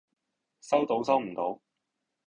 收到收唔到